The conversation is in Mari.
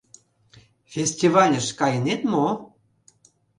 Фестивальыш кайынет мо?